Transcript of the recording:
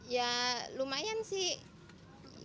ya lumayan sih